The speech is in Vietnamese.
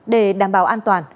để đảm bảo an toàn